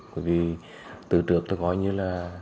bởi vì từ trước nó gọi như là